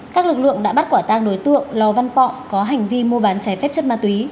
các lực lượng đã bắt quả tang đối tượng lò văn pọng có hành vi mua bán trái phép chất ma túy